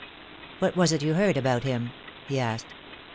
"What was it you heard about him?" he asked.